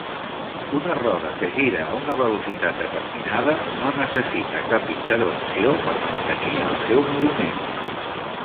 Una roda que gira a una velocitat determinada no necessita cap intervenció per mantenir el seu moviment.